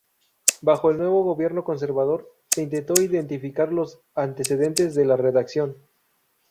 Bajo el nuevo gobierno conservador, se intentó identificar los antecedentes de la redacción.